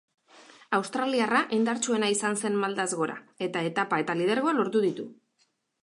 Australiarra indartsuena izan zen maldaz gora, eta etapa eta lidergoa lortu ditu.